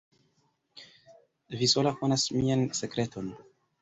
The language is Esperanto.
Vi sola konas mian sekreton.